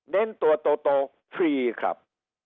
เน้นตัวโตฟรีครับ